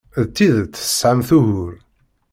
D tidet tesɛamt ugur.